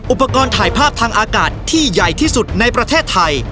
อุปกรณ์ถ่ายภาพทางอากาศที่ใหญ่ที่สุดในประเทศไทย